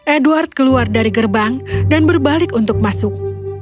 edward keluar dari gerbang dan berbalik untuk masuk